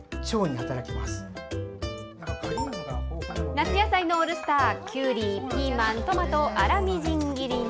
夏野菜のオールスター、きゅうり、ピーマン、トマトを粗みじん切りに。